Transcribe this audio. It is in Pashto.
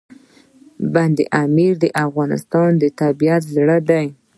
بند امیر د افغانستان د طبیعت زړه دی.